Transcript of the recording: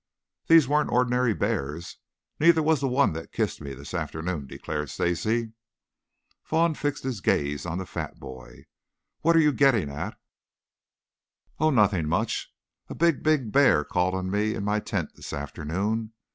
"These weren't ordinary bears. Neither was the one that kissed me this afternoon," declared Stacy. Vaughn fixed his gaze on the fat boy. "What are you getting at?" "Oh, nothing much. A big, big bear called on me in my tent this afternoon.